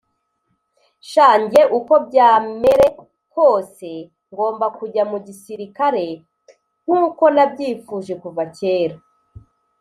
sha njye uko byamere kose ngomba kujya mugisirikare nkuko nabyifuje kuva kera!